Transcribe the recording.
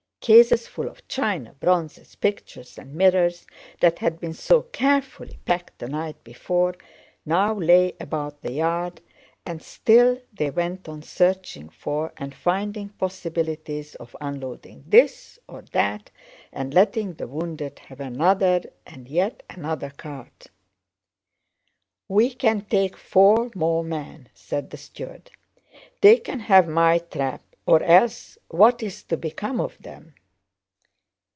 Cases full of china, bronzes, pictures, and mirrors that had been so carefully packed the night before now lay about the yard, and still they went on searching for and finding possibilities of unloading this or that and letting the wounded have another and yet another cart. "We can take four more men," said the steward. "They can have my trap, or else what is to become of them?"